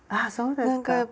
あそうですか。